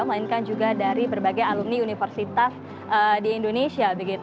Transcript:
melainkan juga dari berbagai alumni universitas di indonesia